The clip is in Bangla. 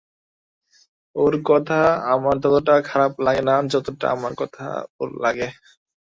ওর কথা আমার ততটা খারাপ লাগে না যতটা আমার কথা ওর লাগে।